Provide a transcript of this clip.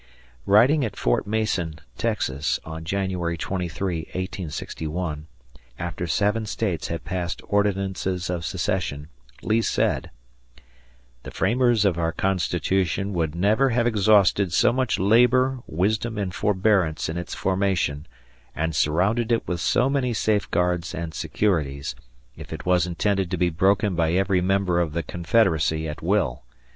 Writing at Fort Mason, Texas, on January 23, 1861 after seven States had passed ordinances of secession Lee said: The framers of our Constitution would never have exhausted so much labor, wisdom, and forbearance in its formation, and surrounded it with so many safeguards and securities, if it was intended to be broken by every member of the confederacy at will.